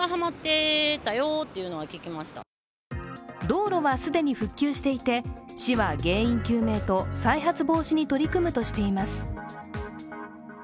道路は既に復旧していて市は原因究明と再発防止に取り組むとしています。